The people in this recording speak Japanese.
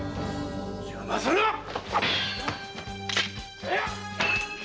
邪魔するなっ！